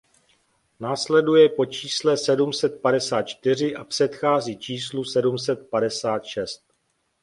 Následuje po čísle sedm set padesát čtyři a předchází číslu sedm set padesát šest.